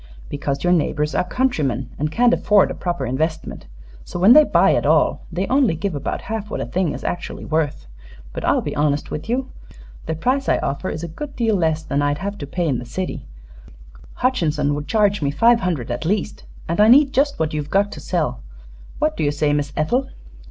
"Because your neighbors are countrymen, and can't afford a proper investment. So when they buy at all they only give about half what a thing is actually worth. But I'll be honest with you. The price I offer is a good deal less than I'd have to pay in the city Hutchinson would charge me five hundred, at least and I need just what you've got to sell. What do you say, Miss Ethel?"